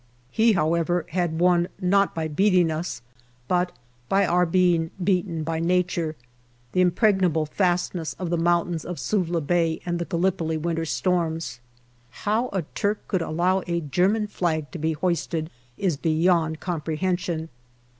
He, however, had won not by beating us, but by our being beaten by Nature the impregnable fast DECEMBER 301 nesses of the mountains of Suvla Bay and the Gallipoli winter storms. How a Turk could allow a German flag to be hoisted is beyond comprehension.